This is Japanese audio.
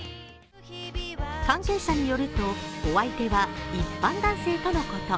関係者によると、お相手は一般男性とのこと。